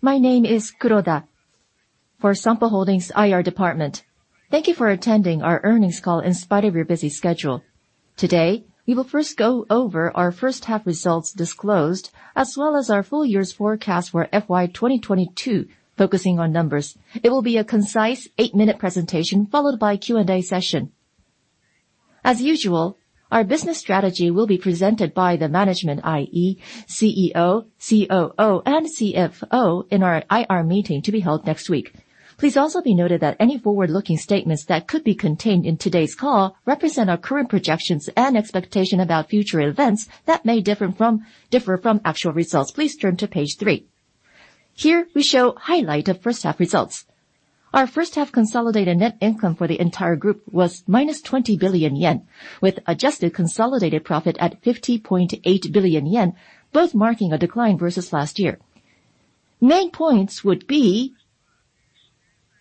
My name is Kuroda for Sompo Holdings IR department. Thank you for attending our earnings call in spite of your busy schedule. Today, we will first go over our first-half results disclosed, as well as our full year's forecast for FY 2022 focusing on numbers. It will be a concise eight-minute presentation followed by Q&A session. As usual, our business strategy will be presented by the Management, i.e., CEO, COO, and CFO in our IR meeting to be held next week. Please also be noted that any forward-looking statements that could be contained in today's call represent our current projections and expectation about future events that may differ from actual results. Please turn to page three. Here, we show highlight of first-half results. Our first-half consolidated net income for the entire group was -20 billion yen, with adjusted consolidated profit at 50.8 billion yen, both marking a decline versus last year. Main points would be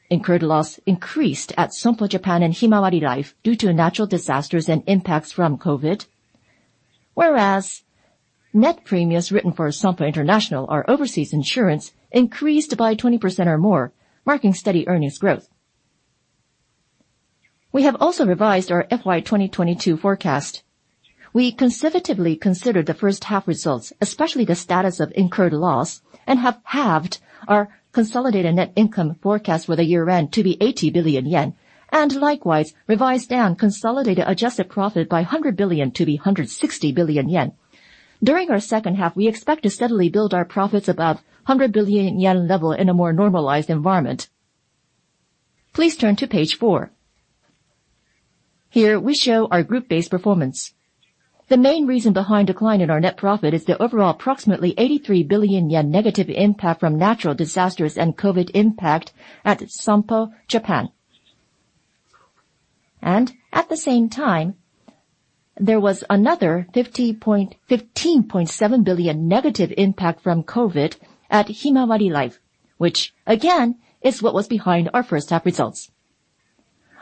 incurred loss increased at Sompo Japan and Himawari Life due to natural disasters and impacts from COVID. Whereas net premiums written for Sompo International, our overseas insurance, increased by 20% or more, marking steady earnings growth. We have also revised our FY 2022 forecast. We conservatively considered the first-half results, especially the status of incurred loss, and have halved our consolidated net income forecast for the year-end to be 80 billion yen. Likewise, revised down consolidated adjusted profit by 100 billion to be 160 billion yen. During our second half, we expect to steadily build our profits above 100 billion yen level in a more normalized environment. Please turn to page four. Here, we show our group-based performance. The main reason behind decline in our net profit is the overall approximately 83 billion yen negative impact from natural disasters and COVID-19 impact at Sompo Japan. At the same time, there was another 15.7 billion negative impact from COVID-19 at Himawari Life, which again, is what was behind our first-half results.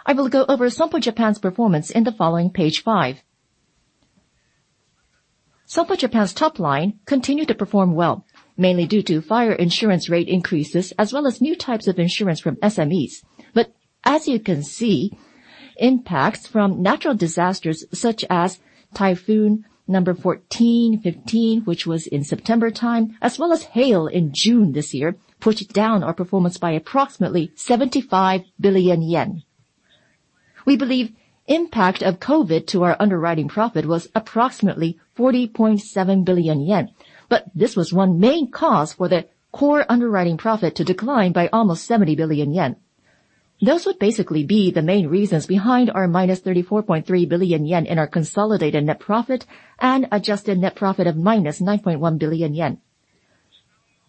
I will go over Sompo Japan's performance in the following page five. Sompo Japan's top line continued to perform well, mainly due to fire insurance rate increases, as well as new types of insurance from SMEs. As you can see, impacts from natural disasters such as Typhoon Number 14, 15, which was in September time, as well as hail in June this year, pushed down our performance by approximately 75 billion yen. We believe impact of COVID to our underwriting profit was approximately 40.7 billion yen, but this was one main cause for the core underwriting profit to decline by almost 70 billion yen. Those would basically be the main reasons behind our -34.3 billion yen in our consolidated net profit and adjusted net profit of -9.1 billion yen.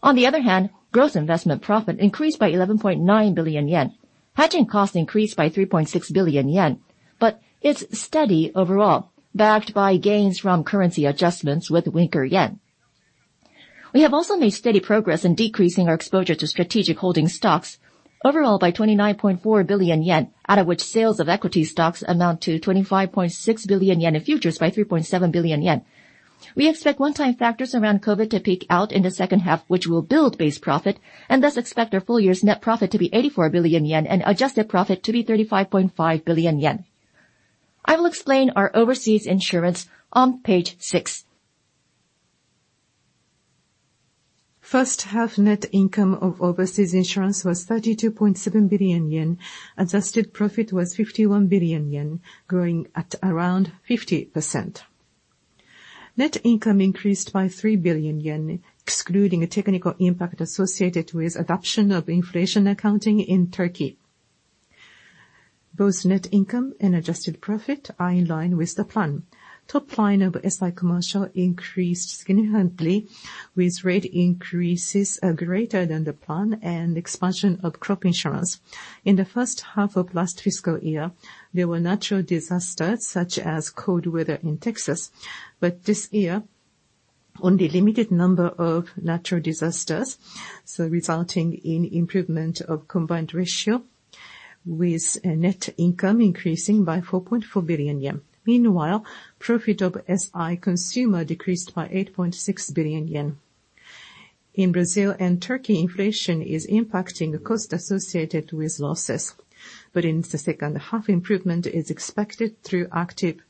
On the other hand, gross investment profit increased by 11.9 billion yen. Hedging costs increased by 3.6 billion yen, but it's steady overall, backed by gains from currency adjustments with weaker yen. We have also made steady progress in decreasing our exposure to strategic holding stocks overall by 29.4 billion yen, out of which sales of equity stocks amount to 25.6 billion yen and futures by 3.7 billion yen. We expect one-time factors around COVID to peak out in the second half, which will build base profit and thus expect our full year's net profit to be 84 billion yen and adjusted profit to be 35.5 billion yen. I will explain our overseas insurance on page six. First-half net income of overseas insurance was 32.7 billion yen. Adjusted profit was 51 billion yen, growing at around 50%. Net income increased by 3 billion yen, excluding a technical impact associated with adoption of inflation accounting in Turkey. Both net income and adjusted profit are in line with the plan. Top line of SI Commercial increased significantly with rate increases greater than the plan and expansion of crop insurance. In the first half of last fiscal year, there were natural disasters such as cold weather in Texas, but this year, only limited number of natural disasters, so resulting in improvement of combined ratio with a net income increasing by 4.4 billion yen. Meanwhile, profit of SI Consumer decreased by 8.6 billion yen. In Brazil and Turkey, inflation is impacting cost associated with losses, but in the second half, improvement is expected through active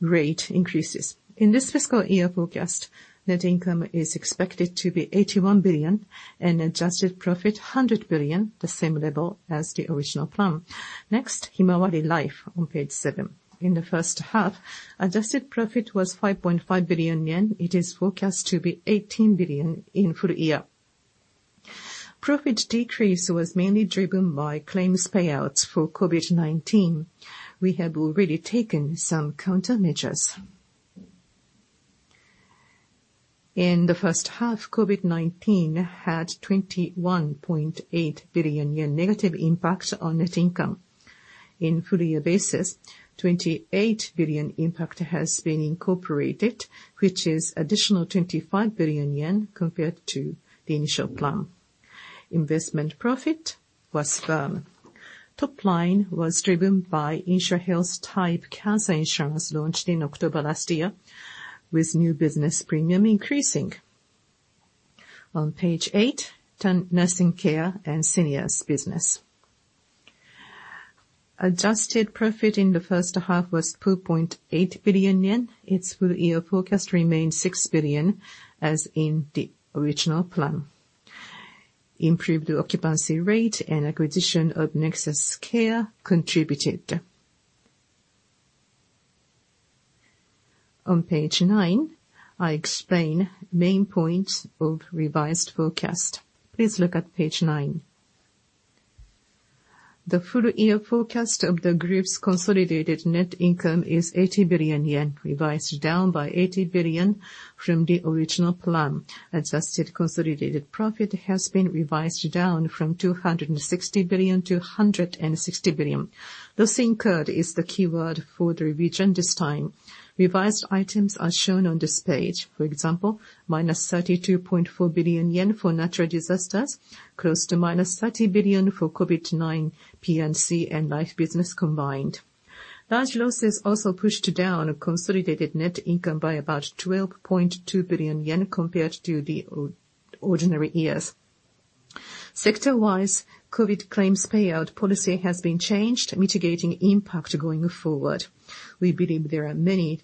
rate increases. In this fiscal year forecast, net income is expected to be 81 billion and adjusted profit 100 billion, the same level as the original plan. Next, Himawari Life on page seven. In the first half, adjusted profit was 5.5 billion yen. It is forecast to be 18 billion in full year. Profit decrease was mainly driven by claims payouts for COVID-19. We have already taken some countermeasures. In the first half, COVID-19 had 21.8 billion yen negative impact on net income. In full year basis, 28 billion impact has been incorporated, which is additional 25 billion yen compared to the initial plan. Investment profit was firm. Top line was driven by Insurhealth type cancer insurance launched in October last year with new business premium increasing. On page eight, turn nursing care and seniors business. Adjusted profit in the first half was 2.8 billion yen. Its full year forecast remained 6 billion as in the original plan. Improved occupancy rate and acquisition of Nexus Care contributed. On page nine, I explain main points of revised forecast. Please look at page nine. The full year forecast of the group's consolidated net income is 80 billion yen, revised down by 80 billion from the original plan. Adjusted consolidated profit has been revised down from 260 billion-160 billion. Loss incurred is the key word for the revision this time. Revised items are shown on this page. For example, -32.4 billion yen for natural disasters, close to -30 billion for COVID-19 P&C and life business combined. Large losses also pushed down consolidated net income by about 12.2 billion yen compared to the ordinary years. Sector-wise, COVID claims payout policy has been changed, mitigating impact going forward. We believe there are many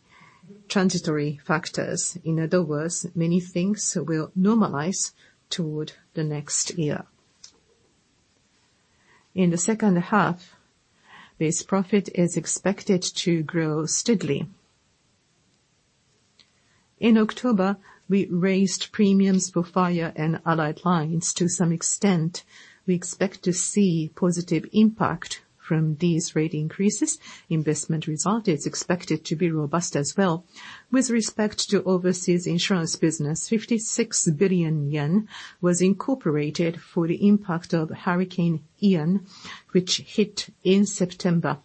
transitory factors. In other words, many things will normalize toward the next year. In the second half, this profit is expected to grow steadily. In October, we raised premiums for fire and allied lines to some extent. We expect to see positive impact from these rate increases. Investment result is expected to be robust as well. With respect to overseas insurance business, 56 billion yen was incorporated for the impact of Hurricane Ian, which hit in September.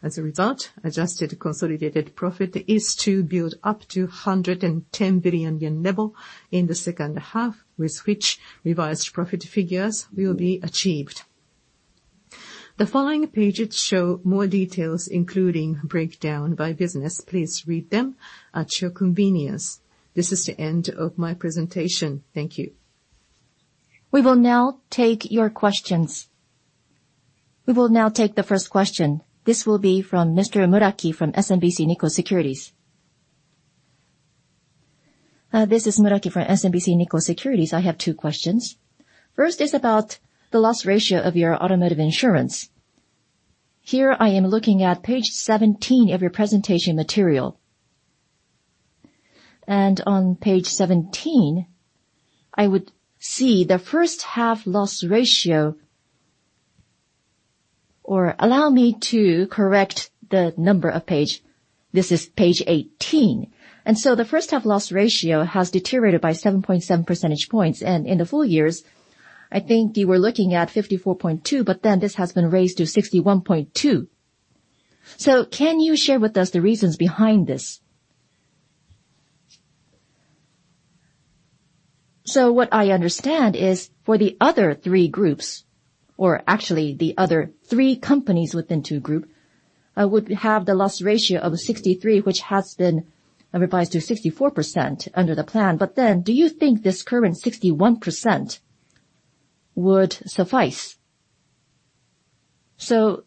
As a result, adjusted consolidated profit is to build up to 110 billion yen level in the second half, with which revised profit figures will be achieved. The following pages show more details, including breakdown by business. Please read them at your convenience. This is the end of my presentation. Thank you. We will now take your questions. We will now take the first question. This will be from Mr. Muraki from SMBC Nikko Securities. This is Muraki from SMBC Nikko Securities. I have two questions. First is about the loss ratio of your automotive insurance. Here I am looking at page 17 of your presentation material. On page 17, I would see the first half loss ratio. Allow me to correct the number of page. This is page 18. The first half loss ratio has deteriorated by 7.7 percentage points. In the full years, I think you were looking at 54.2%, but then this has been raised to 61.2%. Can you share with us the reasons behind this? What I understand is for the other three groups, or actually the other three companies within two group, would have the loss ratio of 63%, which has been revised to 64% under the plan. Do you think this current 61% would suffice?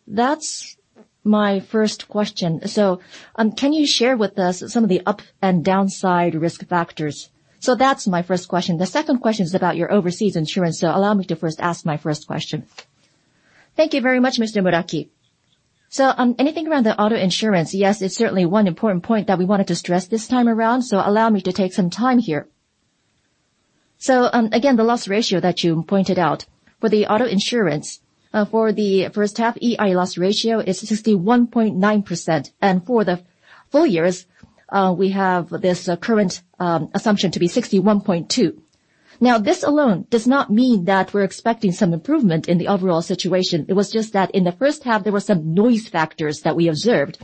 That's my first question. Can you share with us some of the up and downside risk factors? That's my first question. The second question is about your overseas insurance. Allow me to first ask my first question. Thank you very much, Mr. Muraki. Anything around the auto insurance, yes, it's certainly one important point that we wanted to stress this time around, so allow me to take some time here. Again, the loss ratio that you pointed out for the auto insurance for the first half, EI loss ratio is 61.9%. For the full years, we have this current assumption to be 61.2%. Now, this alone does not mean that we're expecting some improvement in the overall situation. It was just that in the first half, there were some noise factors that we observed.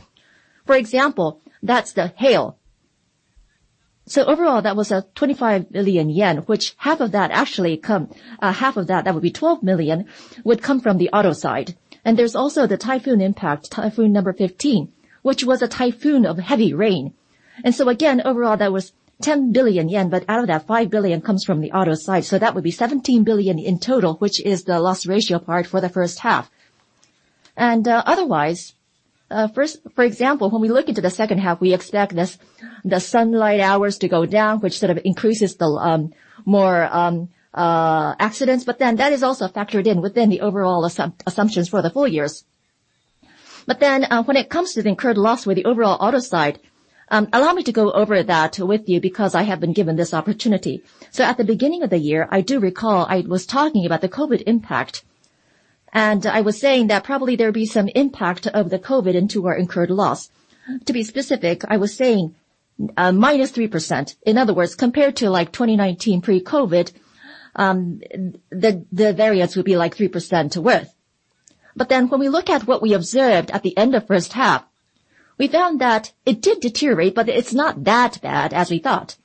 For example, that's the hail. Overall, that was 25 billion yen, which half of that would be 12 million, would come from the auto side. There's also the typhoon impact, typhoon number 15, which was a typhoon of heavy rain. Again, overall, that was 10 billion yen, but out of that, 5 billion comes from the auto side. That would be 17 billion in total, which is the loss ratio part for the first half. Otherwise, first, for example, when we look into the second half, we expect the sunlight hours to go down, which sort of increases the more accidents, but then that is also factored in within the overall assumptions for the full years. When it comes to the incurred loss with the overall auto side, allow me to go over that with you because I have been given this opportunity. At the beginning of the year, I do recall I was talking about the COVID impact, and I was saying that probably there'd be some impact of the COVID into our incurred loss. To be specific, I was saying -3%. In other words, compared to like 2019 pre-COVID, the variance would be like 3% worth. When we look at what we observed at the end of first half, we found that it did deteriorate, but it's not that bad as we thought.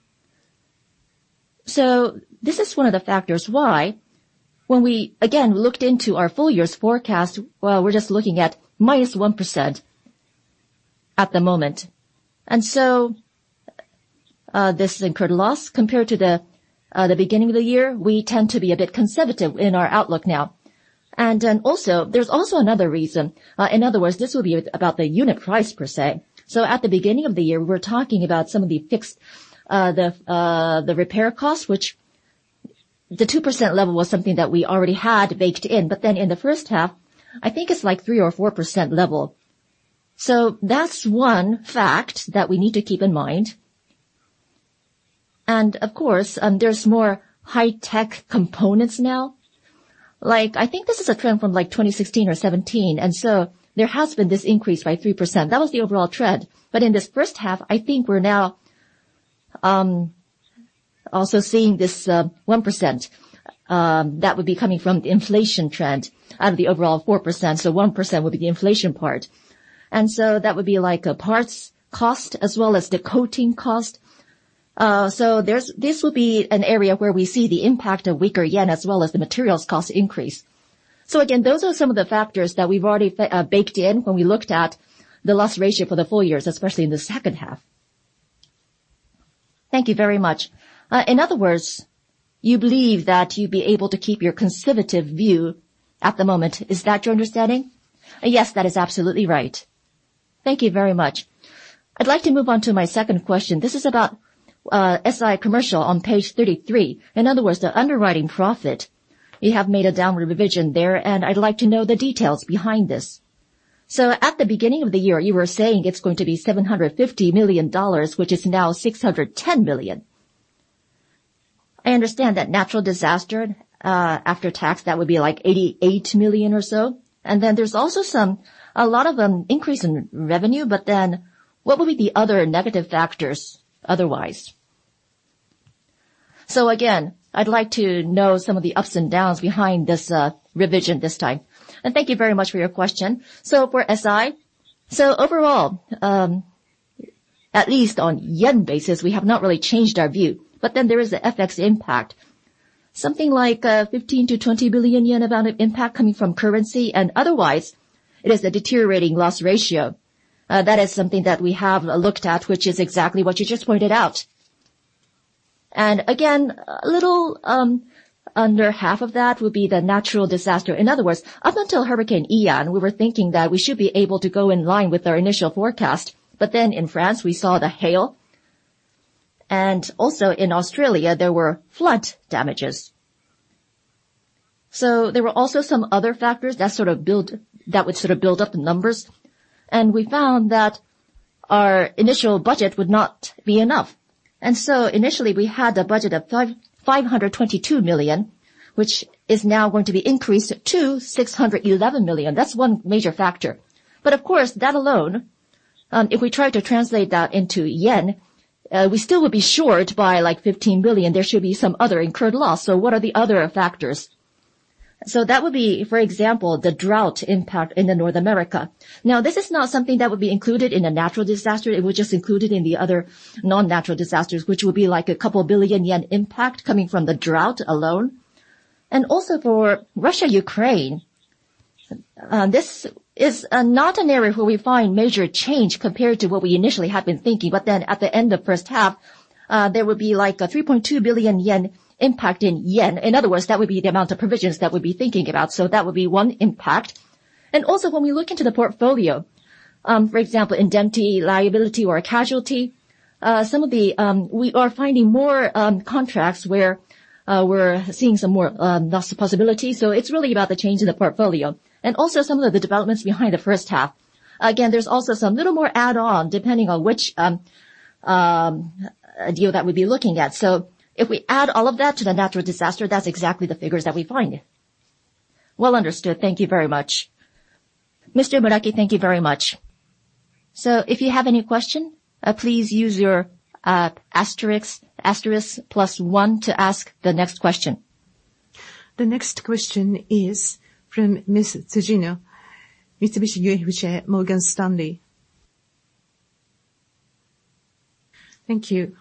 This is one of the factors why when we again looked into our full year's forecast, well, we're just looking at -1% at the moment. This incurred loss compared to the beginning of the year, we tend to be a bit conservative in our outlook now. Also, there's also another reason. In other words, this will be about the unit price per se. At the beginning of the year, we're talking about some of the fixed repair costs, which the 2% level was something that we already had baked in. In the first half, I think it's like 3%-4% level. That's one fact that we need to keep in mind. Of course, there's more high-tech components now. Like, I think this is a trend from like 2016 or 2017, and so there has been this increase by 3%. That was the overall trend. In this first half, I think we're now also seeing this 1% that would be coming from the inflation trend out of the overall 4%. 1% would be the inflation part. That would be like a parts cost as well as the coating cost. This will be an area where we see the impact of weaker yen as well as the materials cost increase. Again, those are some of the factors that we've already baked in when we looked at the loss ratio for the full years, especially in the second half. Thank you very much. In other words, you believe that you'd be able to keep your conservative view at the moment. Is that your understanding? Yes, that is absolutely right. Thank you very much. I'd like to move on to my second question. This is about SI Commercial on page 33. In other words, the underwriting profit. You have made a downward revision there, and I'd like to know the details behind this. At the beginning of the year, you were saying it's going to be $750 million, which is now $610 million. I understand that natural disaster, after tax, that would be like $88 million or so. There's also a lot of them increase in revenue, but then what will be the other negative factors otherwise? Again, I'd like to know some of the ups and downs behind this revision this time. Thank you very much for your question. For SI, overall, at least on yen basis, we have not really changed our view. There is the FX impact, something like 15 billion-20 billion yen amount of impact coming from currency. Otherwise, it is the deteriorating loss ratio. That is something that we have looked at, which is exactly what you just pointed out. Again, a little under half of that would be the natural disaster. In other words, up until Hurricane Ian, we were thinking that we should be able to go in line with our initial forecast. In France, we saw the hail, and also in Australia, there were flood damages. There were also some other factors that would sort of build up the numbers, and we found that our initial budget would not be enough. Initially, we had a budget of 522 million, which is now going to be increased to 611 million. That's one major factor. Of course, that alone, if we try to translate that into yen, we still would be short by like 15 billion. There should be some other incurred loss. What are the other factors? That would be, for example, the drought impact in the North America. Now, this is not something that would be included in a natural disaster. It was just included in the other non-natural disasters, which would be like a couple of billion-yen impact coming from the drought alone. Also for Russia-Ukraine, this is not an area where we find major change compared to what we initially had been thinking. At the end of first half, there would be like a 3.2 billion yen impact in yen. In other words, that would be the amount of provisions that we'd be thinking about. That would be one impact. Also when we look into the portfolio, for example, indemnity liability or casualty, we are finding more contracts where we're seeing some more loss possibility. It's really about the change in the portfolio and also some of the developments behind the first half. Again, there's also some little more add-on, depending on which deal that we'd be looking at. If we add all of that to the natural disaster, that's exactly the figures that we find. Well understood. Thank you very much. Mr. Muraki, thank you very much. If you have any question, please use your asterisks plus one to ask the next question. The next question is from Ms. Tsujino, Mitsubishi UFJ Morgan Stanley. Thank you.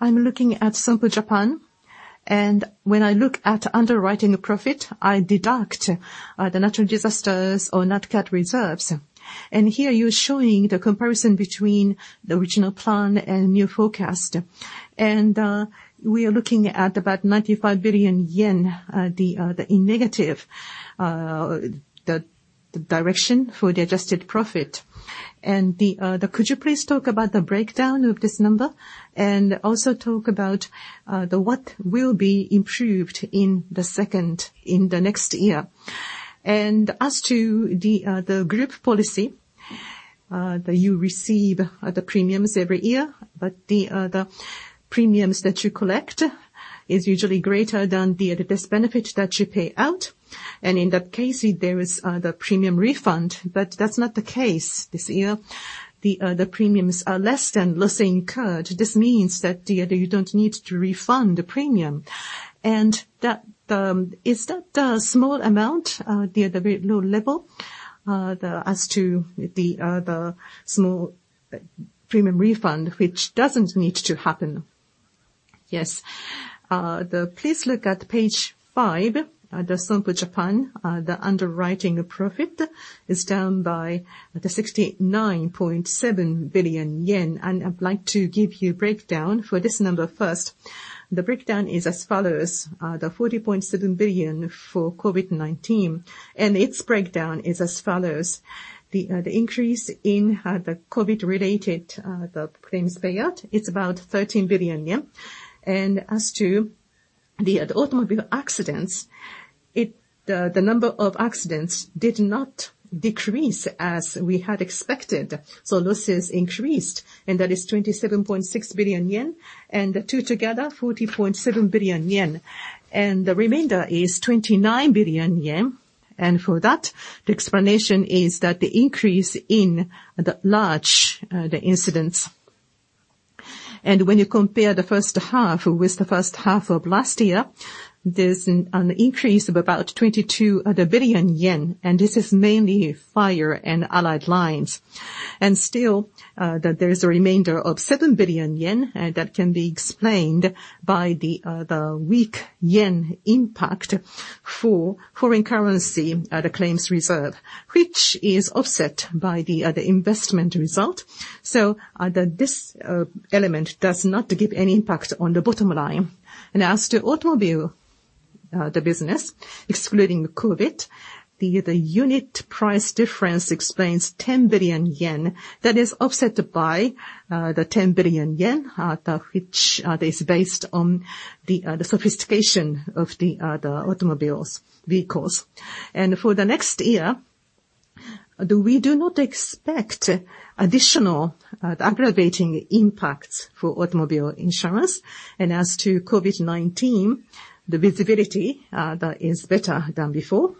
I'm looking at Sompo Japan, and when I look at underwriting profit, I deduct the natural disasters or net cat reserves. Here you're showing the comparison between the original plan and new forecast. We are looking at about 95 billion yen in the negative direction for the adjusted profit. Could you please talk about the breakdown of this number and also talk about what will be improved in the next year? As to the group policy that you receive the premiums every year, the premiums that you collect is usually greater than the best benefit that you pay out. In that case, there is the premium refund, but that's not the case this year. The premiums are less than loss incurred. This means that you don't need to refund the premium. That is that a small amount, the very low level? As to the small premium refund, which doesn't need to happen. Yes. Please look at page five, at the Sompo Japan. The underwriting profit is down by the 69.7 billion yen. I'd like to give you breakdown for this number first. The breakdown is as follows, 40.7 billion for COVID-19, and its breakdown is as follows. The increase in COVID-related claims payout, it's about 13 billion yen. As to the automobile accidents, the number of accidents did not decrease as we had expected, so losses increased, and that is 27.6 billion yen. The two together, 40.7 billion yen. The remainder is 29 billion yen. For that, the explanation is that the increase in the large incidents. When you compare the first half with the first half of last year, there's an increase of about 22 billion yen, and this is mainly fire and allied lines. Still, there is a remainder of 7 billion yen that can be explained by the weak yen impact for foreign currency claims reserve, which is offset by the investment result. This element does not give any impact on the bottom line. As to automobile business, excluding COVID-19, the unit price difference explains 10 billion yen. That is offset by 10 billion yen, which is based on the sophistication of the vehicles. For the next year, we do not expect additional aggravating impacts for automobile insurance. As to COVID-19, the visibility that is better than before.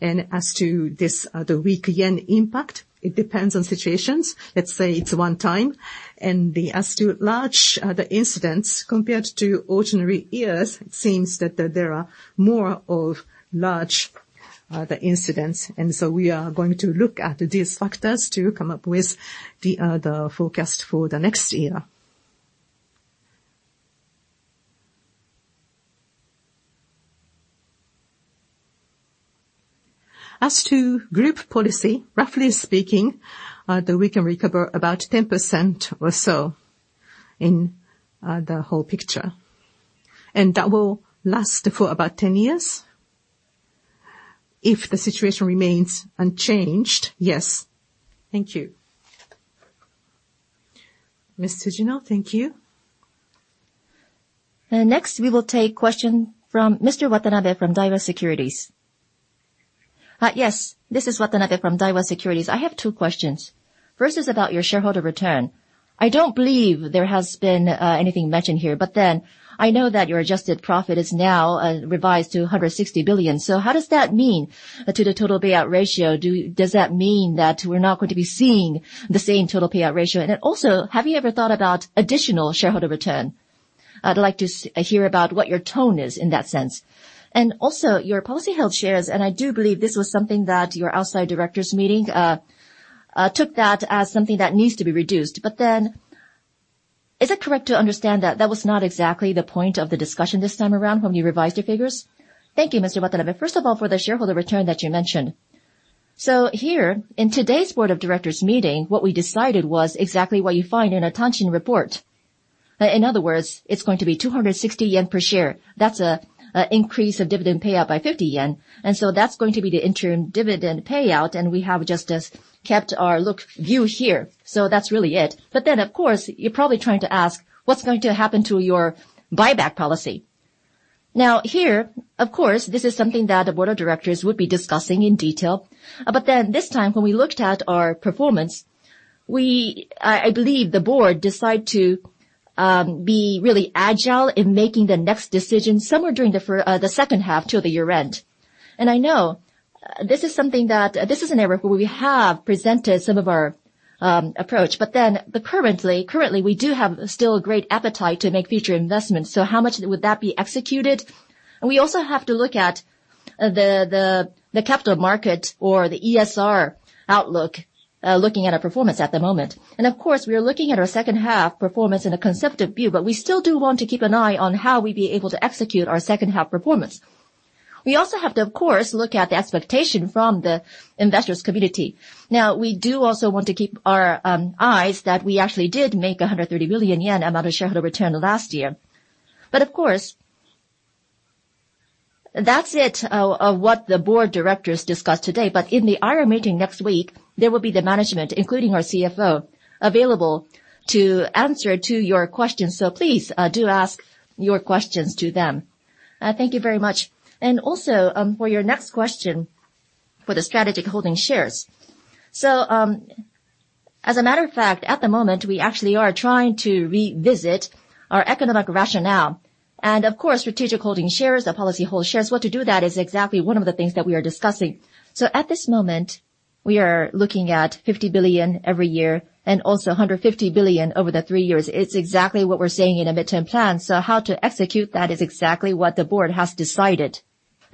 As to the weak yen impact, it depends on situations. Let's say it's one time. As to large incidents, compared to ordinary years, it seems that there are more of large incidents. We are going to look at these factors to come up with the forecast for the next year. As to group policy, roughly speaking, we can recover about 10% or so in the whole picture. That will last for about 10 years if the situation remains unchanged. Yes. Thank you. Ms. Tsujino, thank you. Next, we will take question from Mr. Watanabe from Daiwa Securities. Yes, this is Watanabe from Daiwa Securities. I have two questions. First is about your shareholder return. I don't believe there has been anything mentioned here, but then I know that your adjusted profit is now revised to 160 billion. How does that mean to the total payout ratio? Does that mean that we're not going to be seeing the same total payout ratio? Also, have you ever thought about additional shareholder return? I'd like to hear about what your tone is in that sense. Also, your policy held shares, and I do believe this was something that your outside directors meeting took that as something that needs to be reduced. Is it correct to understand that that was not exactly the point of the discussion this time around when you revised your figures? Thank you, Mr. Watanabe. First of all, for the shareholder return that you mentioned. In today's Board of Directors meeting, what we decided was exactly what you find in a Tanshin report. In other words, it's going to be 260 yen per share. That's a increase of dividend payout by 50 yen. That's going to be the interim dividend payout, and we have just, as, kept our look view here. That's really it. Of course, you're probably trying to ask what's going to happen to your buyback policy. Now here, of course, this is something that the Board of Directors would be discussing in detail. This time, when we looked at our performance, I believe the board decide to be really agile in making the next decision somewhere during the second half to the year-end. I know this is an area where we have presented some of our approach. Currently, we do have still a great appetite to make future investments. How much would that be executed? We also have to look at the capital market or the ESR outlook looking at our performance at the moment. Of course, we are looking at our second half performance in a concept of view, but we still do want to keep an eye on how we'd be able to execute our second half performance. We also have to, of course, look at the expectation from the investors' community. Now, we do also want to keep our eyes that we actually did make 130 billion yen amount of shareholder return last year. Of course, that's it of what the Board of Directors discussed today. In the IR meeting next week, there will be the management, including our CFO, available to answer to your questions. Please do ask your questions to them. Thank you very much. Also, for your next question, for the strategic holding shares. As a matter of fact, at the moment, we actually are trying to revisit our economic rationale. Of course, strategic holding shares are policy hold shares. What to do that is exactly one of the things that we are discussing. At this moment, we are looking at 50 billion every year and also 150 billion over the three years. It's exactly what we're saying in a midterm plan. How to execute that is exactly what the board has decided.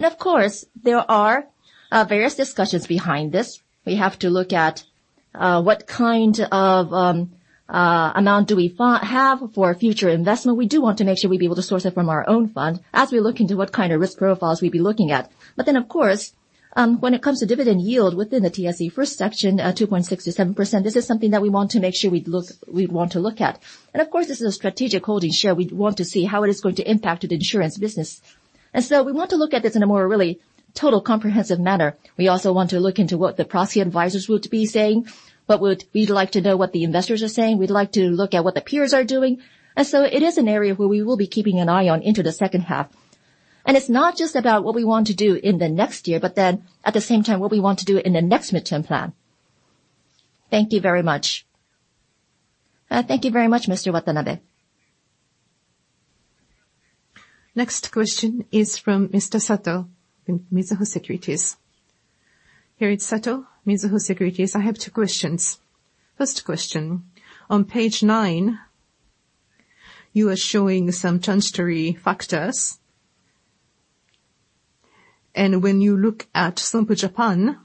Of course, there are various discussions behind this. What kind of amount do we have for future investment? We do want to make sure we'd be able to source it from our own fund as we look into what kind of risk profiles we'd be looking at. Of course, when it comes to dividend yield within the TSE First Section, 2.6%-7%, this is something that we want to look at. Of course, this is a strategic holding share. We want to see how it is going to impact the insurance business. We want to look at this in a more really total comprehensive manner. We also want to look into what the proxy advisors would be saying, we'd like to know what the investors are saying. We'd like to look at what the peers are doing. It is an area where we will be keeping an eye on into the second half. It's not just about what we want to do in the next year, but then at the same time, what we want to do in the next midterm plan. Thank you very much. Thank you very much, Mr. Watanabe. Next question is from Mr. Sato in Mizuho Securities. Here is Sato, Mizuho Securities. I have two questions. First question, on page nine, you are showing some transitory factors. When you look at Sompo Japan,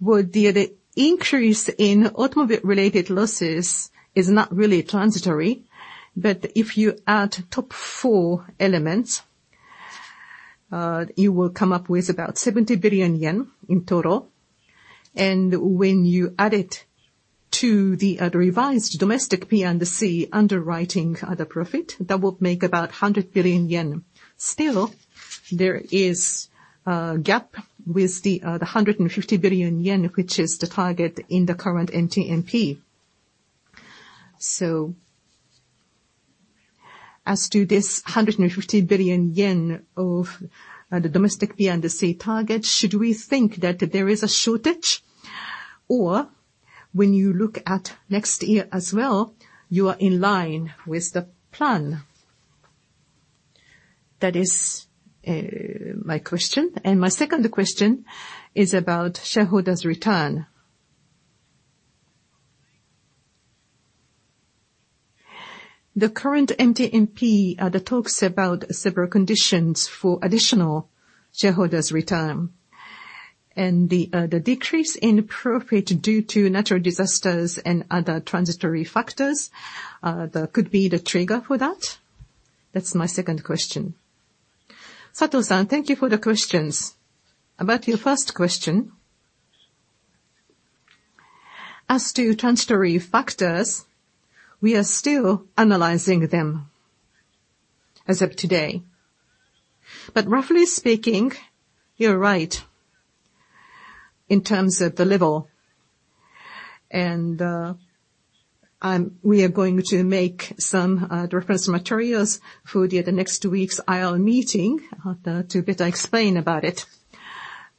the increase in automotive-related losses is not really transitory, but if you add top four elements, you will come up with about 70 billion yen in total. When you add it to the revised domestic P&C underwriting profit, that would make about 100 billion yen. Still, there is a gap with the 150 billion yen, which is the target in the current MTMP. As to this 150 billion yen of the domestic P&C target, should we think that there is a shortage? When you look at next year as well, you are in line with the plan? That is my question. My second question is about shareholders' return. The current MTMP talks about several conditions for additional shareholders' return. The decrease in profit due to natural disasters and other transitory factors that could be the trigger for that. That's my second question. Sato-san, thank you for the questions. About your first question. As to transitory factors, we are still analyzing them as of today. Roughly speaking, you're right in terms of the level. We are going to make some reference materials for the next week's IR meeting to better explain about it.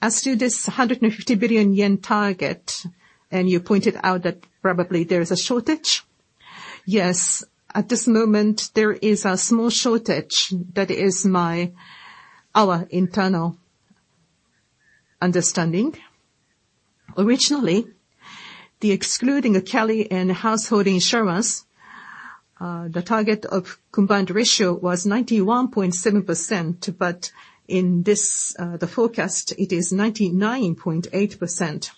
As to this 150 billion yen target, you pointed out that probably there is a shortage. Yes, at this moment, there is a small shortage. That is our internal understanding. Originally, excluding CALI and household insurance, the target of combined ratio was 91.7%, but in this forecast, it is 99.8%.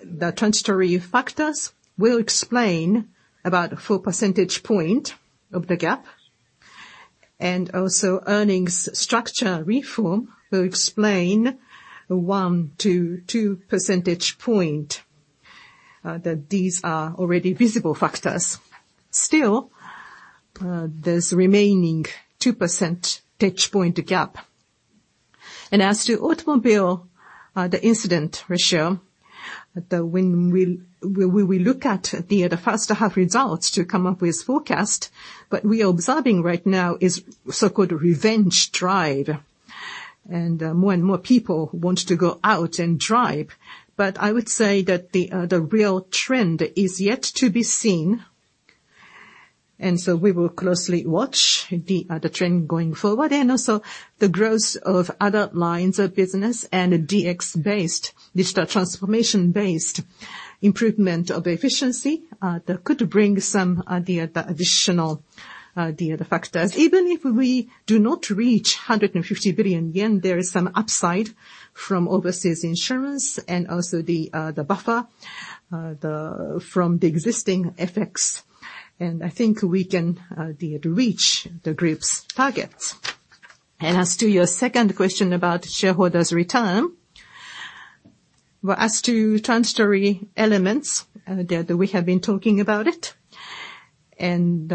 The transitory factors will explain about 4 percentage point of the gap. Also earnings structure reform will explain 1-2 percentage point. These are already visible factors. Still, there's remaining 2% point gap. As to automobile, the incident ratio, when we look at the first half results to come up with forecast, what we are observing right now is so-called revenge drive. More and more people want to go out and drive. I would say that the real trend is yet to be seen. We will closely watch the trend going forward. The growth of other lines of business and DX-based, digital transformation-based improvement of efficiency that could bring some additional factors. Even if we do not reach 150 billion yen, there is some upside from overseas insurance and also the buffer from the existing FX. I think we can reach the group's targets. As to your second question about shareholders' return. Well, as to transitory elements that we have been talking about it, and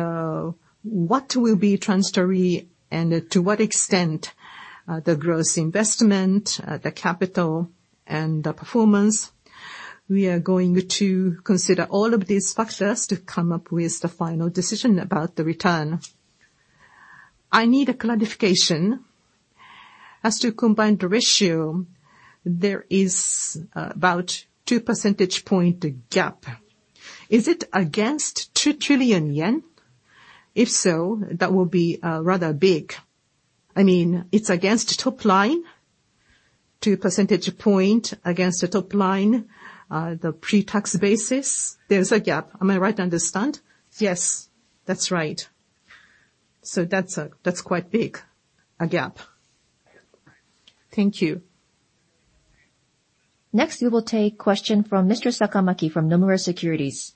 what will be transitory and to what extent, the growth investment, the capital and the performance, we are going to consider all of these factors to come up with the final decision about the return. I need a clarification. As to combined ratio, there is about 2 percentage point gap. Is it against 2 trillion yen? If so, that will be rather big. I mean, it's against top line, 2 percentage point against the top line, the pre-tax basis, there's a gap. Am I right to understand? Yes, that's right. That's quite big a gap. Thank you. Next, we will take question from Mr. Sakamaki from Nomura Securities.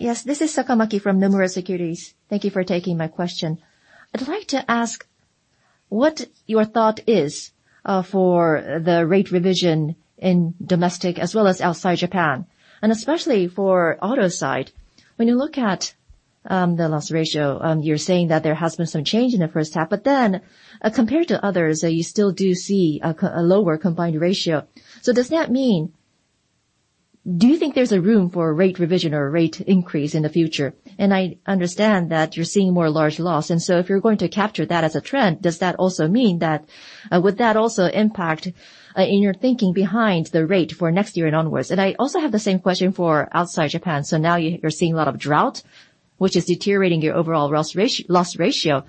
Yes. This is Sakamaki from Nomura Securities. Thank you for taking my question. I'd like to ask what your thought is for the rate revision in domestic as well as outside Japan, and especially for auto side. When you look at the loss ratio, you're saying that there has been some change in the first half, but then compared to others, you still do see a lower combined ratio. Do you think there's a room for a rate revision or a rate increase in the future? I understand that you're seeing more large loss, and so if you're going to capture that as a trend, would that also impact in your thinking behind the rate for next year and onwards? I also have the same question for outside Japan. Now you're seeing a lot of drought, which is deteriorating your overall loss ratio,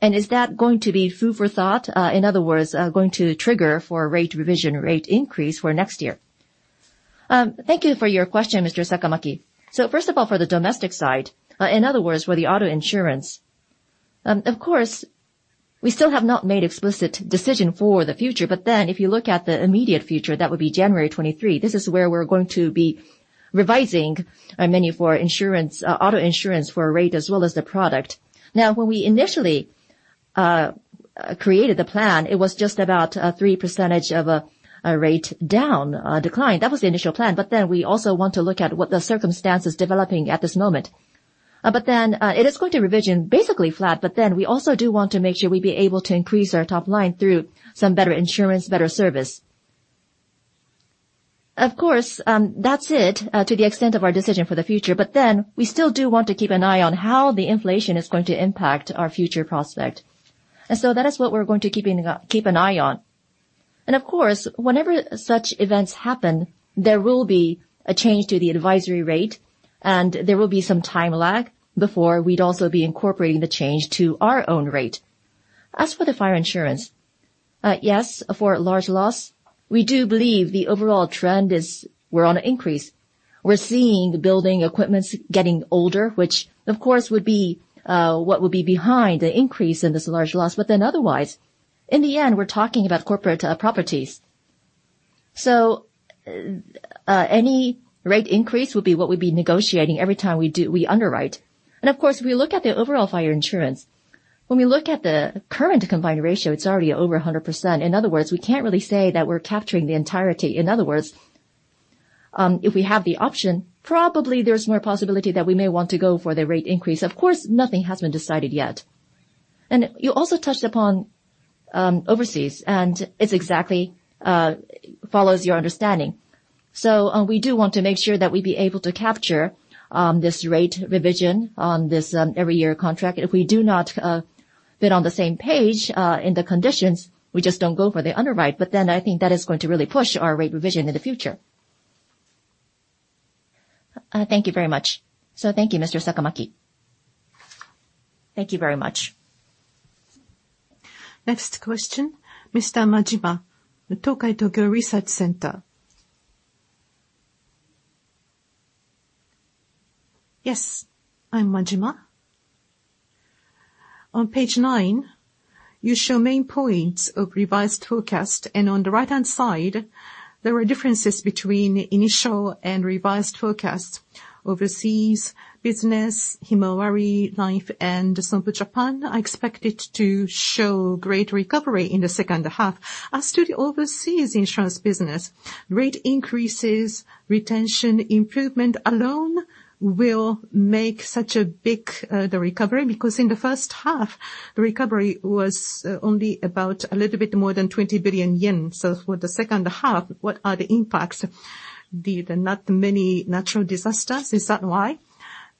and is that going to be food for thought, in other words, going to trigger for a rate revision or rate increase for next year? Thank you for your question, Mr. Sakamaki. First of all, for the domestic side, in other words, for the auto insurance, of course, we still have not made explicit decision for the future, but then if you look at the immediate future, that would be January 2023, this is where we're going to be revising our menu for insurance, auto insurance for a rate as well as the product. Now, when we initially created the plan, it was just about 3% of a rate down decline. That was the initial plan. We also want to look at what the circumstance is developing at this moment. It is going to revision basically flat, but then we also do want to make sure we'd be able to increase our top line through some better insurance, better service. Of course, that's it to the extent of our decision for the future. We still do want to keep an eye on how the inflation is going to impact our future prospect. That is what we're going to keep an eye on. Of course, whenever such events happen, there will be a change to the advisory rate, and there will be some time lag before we'd also be incorporating the change to our own rate. As for the fire insurance, yes, for large loss, we do believe the overall trend is we're on increase. We're seeing building equipments getting older, which of course would be what would be behind the increase in this large loss. Otherwise, in the end, we're talking about corporate properties. Any rate increase would be what we'd be negotiating every time we underwrite. Of course, if we look at the overall fire insurance, when we look at the current combined ratio, it's already over 100%. In other words, we can't really say that we're capturing the entirety. In other words, if we have the option, probably there's more possibility that we may want to go for the rate increase. Of course, nothing has been decided yet. You also touched upon overseas, and it exactly follows your understanding. We do want to make sure that we'd be able to capture this rate revision on this every year contract. If we do not bid on the same page in the conditions, we just don't go for the underwrite. I think that is going to really push our rate revision in the future. Thank you very much. Thank you, Mr. Sakamaki. Thank you very much. Next question, Mr. Majima with Tokai Tokyo Research Center. Yes, I'm Majima. On page nine, you show main points of revised forecast, and on the right-hand side, there are differences between initial and revised forecast. Overseas business, Himawari Life, and Sompo Japan are expected to show great recovery in the second half. As to the overseas insurance business, rate increases, retention improvement alone will make such a big recovery? Because in the first half, the recovery was only about a little bit more than 20 billion yen. For the second half, what are the impacts? The not many natural disasters, is that why?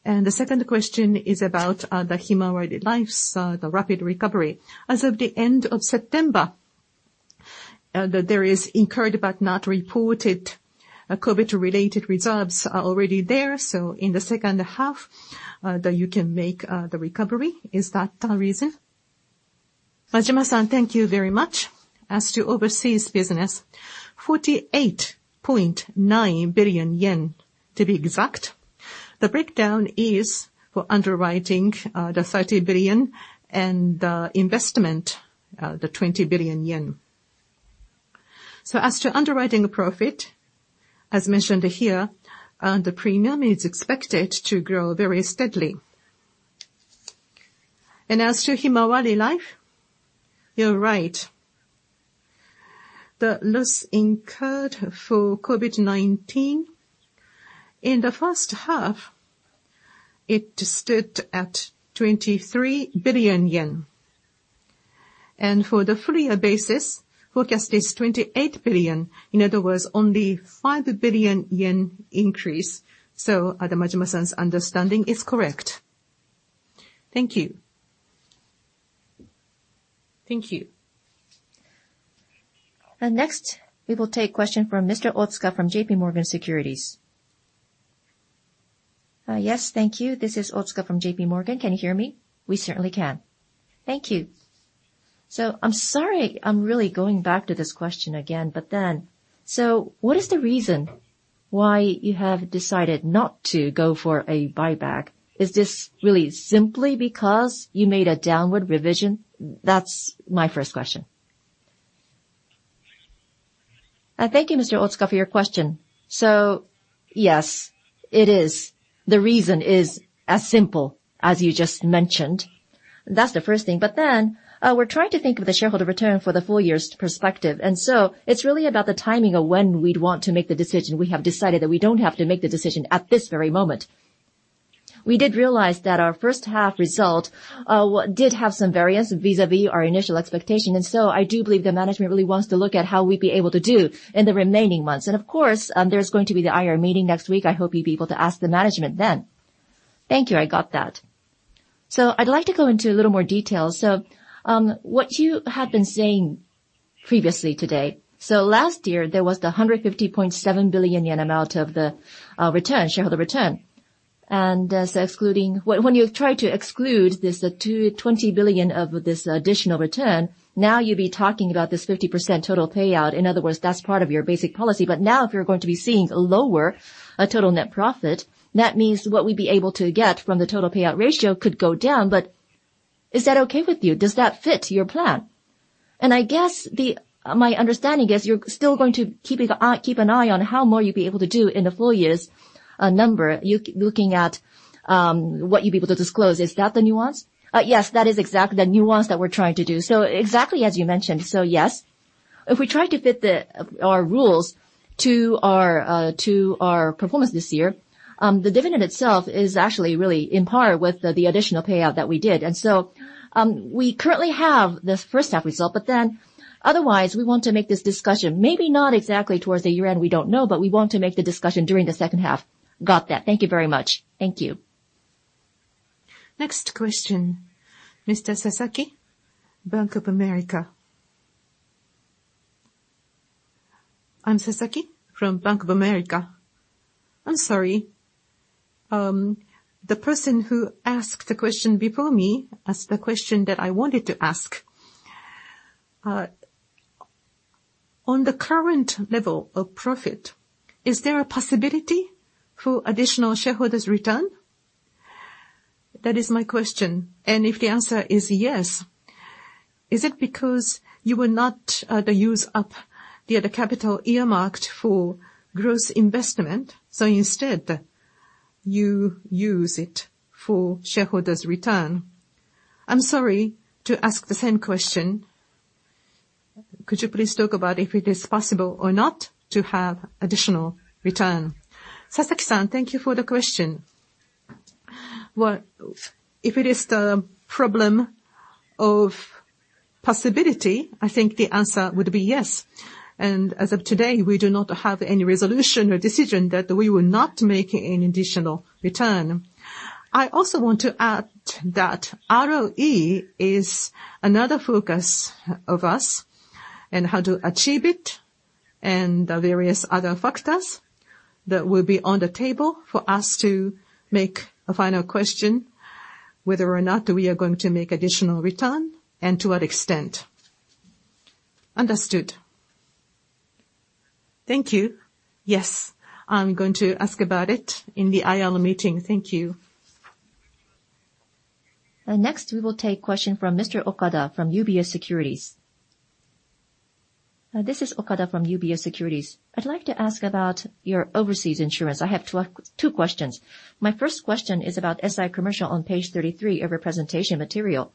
The second question is about the Himawari Life's rapid recovery. As of the end of September, there is incurred but not reported, COVID-related reserves are already there, so in the second half, that you can make the recovery. Is that the reason? Majima-san, thank you very much. As to overseas business, 48.9 billion yen, to be exact. The breakdown is for underwriting, 30 billion, and investment, 20 billion yen. As to underwriting profit, as mentioned here, the premium is expected to grow very steadily. As to Himawari Life, you're right. The loss incurred for COVID-19 in the first half, it stood at 23 billion yen. For the full year basis, forecast is 28 billion. In other words, only 5 billion yen increase. Majima-san's understanding is correct. Thank you. Thank you. Next, we will take question from Mr. Otsuka from JPMorgan Securities. Yes. Thank you. This is Otsuka from JPMorgan. Can you hear me? We certainly can. Thank you. I'm sorry I'm really going back to this question again, but then, what is the reason why you have decided not to go for a buyback? Is this really simply because you made a downward revision? That's my first question. Thank you, Mr. Otsuka, for your question. Yes, it is. The reason is as simple as you just mentioned. That's the first thing. We're trying to think of the shareholder return for the full year's perspective, and so it's really about the timing of when we'd want to make the decision. We have decided that we don't have to make the decision at this very moment. We did realize that our first half result did have some variance vis-à-vis our initial expectation, and so I do believe the management really wants to look at how we'd be able to do in the remaining months. Of course, there's going to be the IR meeting next week. I hope you'll be able to ask the management then. Thank you. I got that. I'd like to go into a little more detail. What you have been saying previously today. Last year there was the 150.7 billion yen amount of the shareholder return. When you try to exclude this 220 billion of this additional return, now you'd be talking about this 50% total payout. In other words, that's part of your basic policy. Now if you're going to be seeing lower total net profit, that means what we'd be able to get from the total payout ratio could go down. Is that okay with you? Does that fit your plan? I guess my understanding is you're still going to keep an eye on how more you'd be able to do in the full year's number, you looking at what you'd be able to disclose. Is that the nuance? Yes, that is exactly the nuance that we're trying to do. Exactly as you mentioned, so yes. If we try to fit our rules to our performance this year, the dividend itself is actually really in par with the additional payout that we did. We currently have this first half result, but then otherwise we want to make this discussion maybe not exactly towards the year-end, we don't know, but we want to make the discussion during the second half. Got that. Thank you very much. Thank you. Next question, Mr. Sasaki, Bank of America. I'm Sasaki from Bank of America. I'm sorry. The person who asked the question before me asked the question that I wanted to ask. On the current level of profit, is there a possibility for additional shareholders return? That is my question. If the answer is yes, is it because you will not use up the other capital earmarked for growth investment, so instead you use it for shareholders return? I'm sorry to ask the same question. Could you please talk about if it is possible or not to have additional return? Sasaki-san, thank you for the question. Well, if it is the problem of possibility, I think the answer would be yes. As of today, we do not have any resolution or decision that we will not make any additional return. I also want to add that ROE is another focus of us and how to achieve it, and the various other factors that will be on the table for us to make a final decision whether or not we are going to make additional return and to what extent. Understood. Thank you. Yes, I'm going to ask about it in the IR meeting. Thank you. Next we will take question from Mr. Okada from UBS Securities. This is Okada from UBS Securities. I'd like to ask about your overseas insurance. I have two questions. My first question is about SI Commercial on page 33 of your presentation material.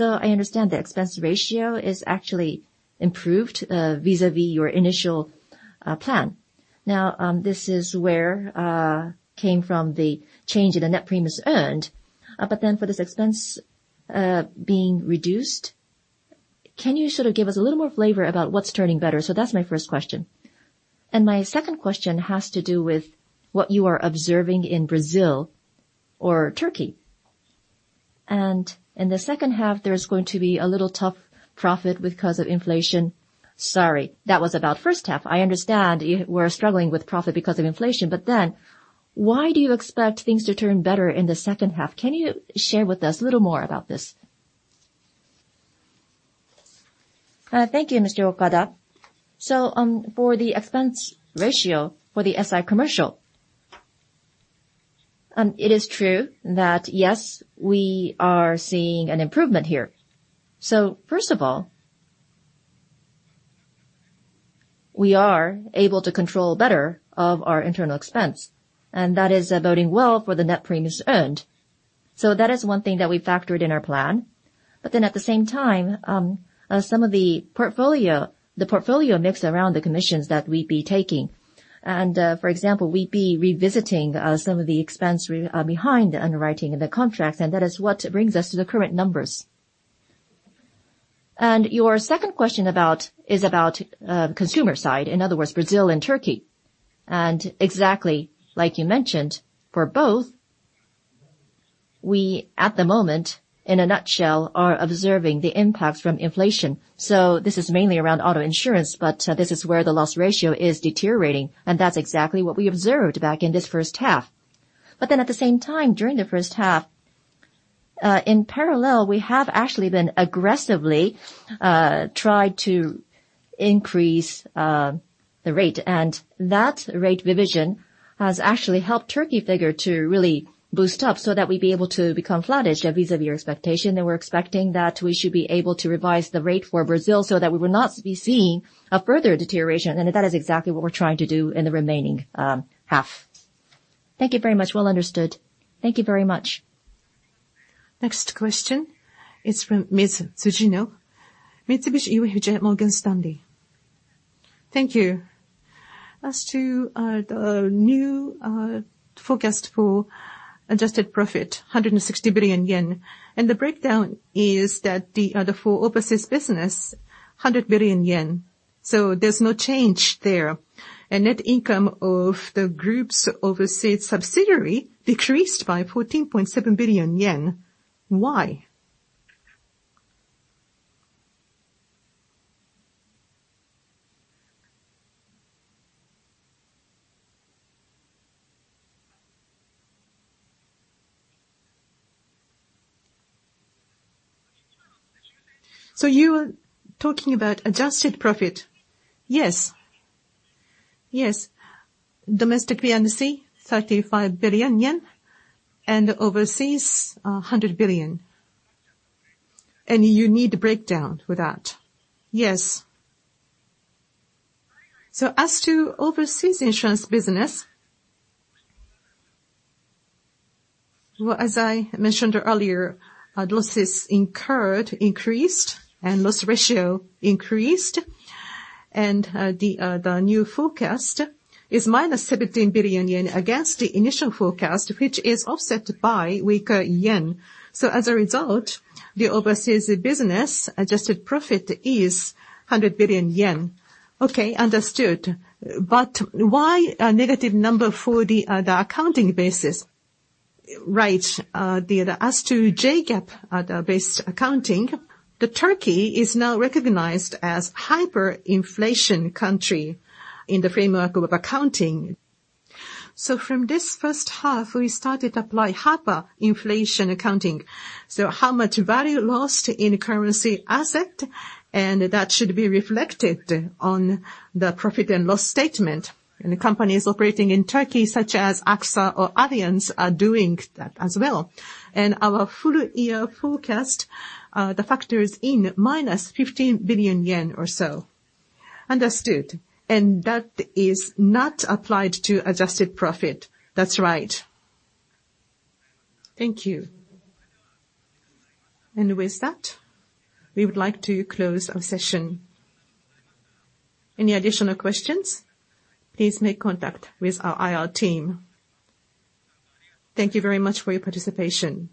I understand the expense ratio is actually improved vis-à-vis your initial plan. Now, this is where came from the change in the net premiums earned. For this expense being reduced, can you sort of give us a little more flavor about what's turning better? That's my first question. My second question has to do with what you are observing in Brazil or Turkey. In the second half, there's going to be a little tough profit because of inflation. Sorry, that was about first half. I understand you were struggling with profit because of inflation. Why do you expect things to turn better in the second half? Can you share with us a little more about this? Thank you, Mr. Okada. For the expense ratio for the SI commercial, it is true that, yes, we are seeing an improvement here. First of all, we are able to control better of our internal expense, and that is boding well for the net premiums earned. That is one thing that we factored in our plan. At the same time, some of the portfolio mix around the commissions that we'd be taking. For example, we'd be revisiting some of the expense behind the underwriting of the contracts, and that is what brings us to the current numbers. Your second question is about consumer side, in other words, Brazil and Turkey. Exactly like you mentioned, for both, we, at the moment, in a nutshell, are observing the impacts from inflation. This is mainly around auto insurance, but this is where the loss ratio is deteriorating. That's exactly what we observed back in this first half. At the same time, during the first half, in parallel, we have actually been aggressively tried to increase the rate. That rate revision has actually helped Turkey figure to really boost up so that we'd be able to become flattish vis-à-vis expectation. We're expecting that we should be able to revise the rate for Brazil so that we will not be seeing a further deterioration. That is exactly what we're trying to do in the remaining half. Thank you very much. Well understood. Thank you very much. Next question is from Ms. Tsujino, Mitsubishi UFJ Morgan Stanley. Thank you. As to the new forecast for adjusted profit, 160 billion yen. The breakdown is that the full overseas business, 100 billion yen. There's no change there. Net income of the group's overseas subsidiary decreased by 14.7 billion yen. Why? You are talking about adjusted profit? Yes. Yes. Domestic P&C, 35 billion yen, and overseas, 100 billion. You need the breakdown for that? Yes. As to overseas insurance business, well, as I mentioned earlier, losses incurred increased and loss ratio increased. The new forecast is -17 billion yen against the initial forecast, which is offset by weaker yen. As a result, the overseas business adjusted profit is 100 billion yen. Okay. Understood. Why a negative number for the accounting basis? Right. As to J-GAAP based accounting, the Turkey is now recognized as hyperinflation country in the framework of accounting. From this first half, we started apply hyperinflation accounting. How much value lost in currency asset, and that should be reflected on the profit and loss statement. The companies operating in Turkey, such as AXA or Allianz, are doing that as well. Our full year forecast, the factor is in -15 billion yen or so. Understood. That is not applied to adjusted profit? That's right. Thank you. With that, we would like to close our session. Any additional questions, please make contact with our IR team. Thank you very much for your participation.